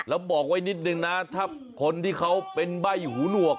แล้วบอกไว้นิดนึงนะถ้าคนที่เขาเป็นใบ้หูหนวก